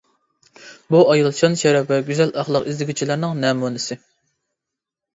بۇ ئايال شان-شەرەپ ۋە گۈزەل ئەخلاق ئىزدىگۈچىلەرنىڭ نەمۇنىسى.